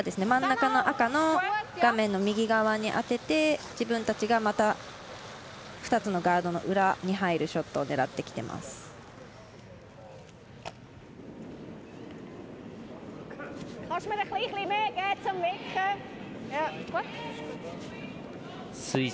真ん中の赤の画面の右側に当てて自分たちがまた２つのガードの裏に入るショットを狙ってきています。